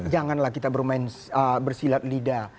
janganlah kita bermain bersilat lidah